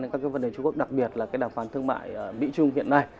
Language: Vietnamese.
đến các cái vấn đề trung quốc đặc biệt là cái đàm phán thương mại mỹ trung hiện nay